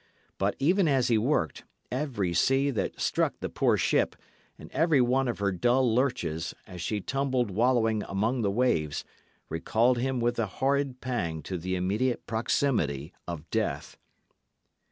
But, even as he worked, every sea that struck the poor ship, and every one of her dull lurches, as she tumbled wallowing among the waves, recalled him with a horrid pang to the immediate proximity of death.